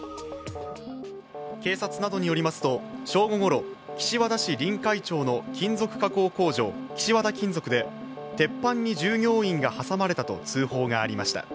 警察などによりますと正午ごろ岸和田市臨海町の金属加工工場、岸和田金属で鉄板に従業員が挟まれたと通報がありました。